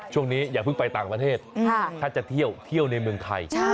อย่าเพิ่งไปต่างประเทศถ้าจะเที่ยวเที่ยวในเมืองไทย